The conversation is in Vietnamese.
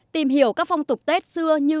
tìm hiểu các phong tục tết xưa như